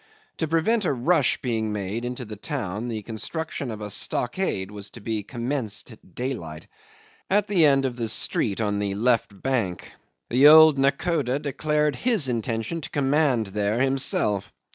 To prevent a rush being made into the town the construction of a stockade was to be commenced at daylight at the end of the street on the left bank. The old nakhoda declared his intention to command there himself.